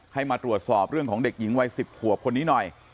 ให้มาตรวจสอบเรื่องของเด็กหญิงวัย๑๐ขวบคนนี้หน่อย